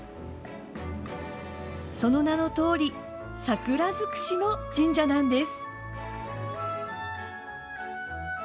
その名のとおり桜づくしの神社なんです。